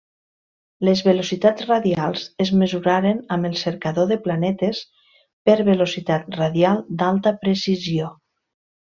Les velocitats radials es mesuraren amb el Cercador de Planetes per Velocitat Radial d'Alta Precisió.